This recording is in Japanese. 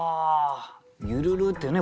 「揺るる」ってね